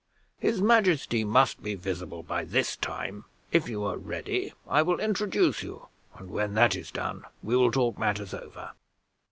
His majesty must be visible by this time; if you are ready, I will introduce you; and, when that is done, we will talk matters over."